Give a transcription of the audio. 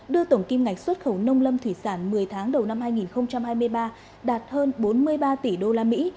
đưa tổng kim ngạch xuất khẩu nông lâm thủy sản một mươi tháng đầu năm hai nghìn hai mươi ba đạt hơn bốn mươi ba tỷ đô la mỹ